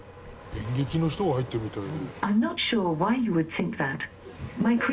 演劇の人が入ってるみたい。